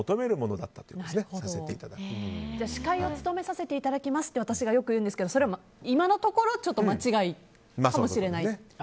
司会を務めさせていただきますって私がよく言うんですけど今のところ間違いかもしれないと。